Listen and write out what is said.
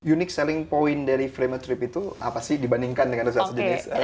unique selling point dari fremetrip itu apa sih dibandingkan dengan resursi jenis